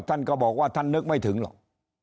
ท่านก็บอกว่าท่านนึกไม่ถึงหรอก